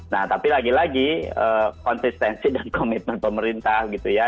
nah tapi lagi lagi konsistensi dan komitmen pemerintah gitu ya